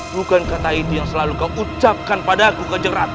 bukan kata itu yang selalu kau ucapkan pada aku kanjeng ratu